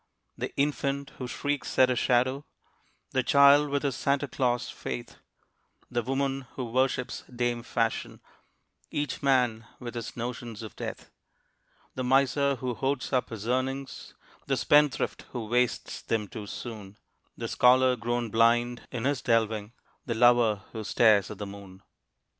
The infant who shrieks at a shadow, The child with his Santa Claus faith, The woman who worships Dame Fashion, Each man with his notions of death, The miser who hoards up his earnings, The spendthrift who wastes them too soon, The scholar grown blind in his delving, The lover who stares at the moon.